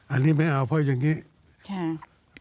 อันนี้ไม่เอาเพราะอย่างนี้ค่ะ